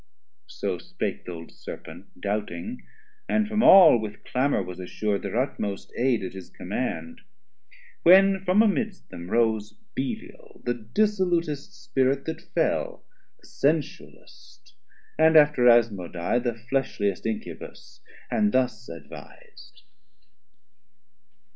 So spake the old Serpent doubting, and from all With clamour was assur'd thir utmost aid At his command; when from amidst them rose Belial the dissolutest Spirit that fell 150 The sensuallest, and after Asmodai The fleshliest Incubus, and thus advis'd.